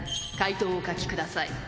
解答をお書きください。